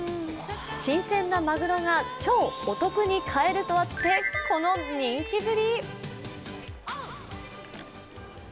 新鮮なマグロが超お得に買えるとあって、この人気ぶり。